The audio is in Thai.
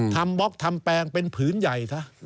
บล็อกทำแปลงเป็นผืนใหญ่ซะ